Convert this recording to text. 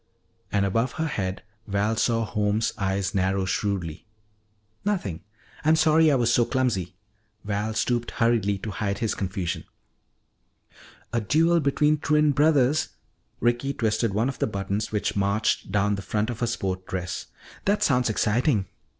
And above her head Val saw Holmes' eyes narrow shrewdly. "Nothing. I'm sorry I was so clumsy." Val stooped hurriedly to hide his confusion. "A duel between twin brothers." Ricky twisted one of the buttons which marched down the front of her sport dress. "That sounds exciting."